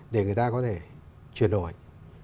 để người ta có thể chuyển đổi